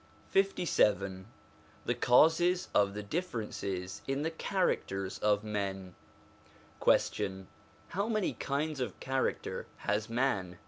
LVII THE CAUSES OF THE DIFFERENCES IN THE CHARACTERS OF MEN Question. How many kinds of character has man?